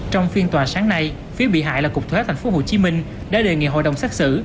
trong phiên tòa sáng nay phía bị hại là cục thuế tp hcm đã đề nghị hội đồng xác xử